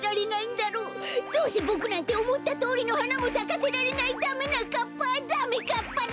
どうせボクなんておもったとおりのはなもさかせられないダメなかっぱダメかっぱだ！